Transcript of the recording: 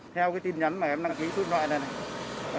theo tin nhắn mà em đăng ký suốt loại này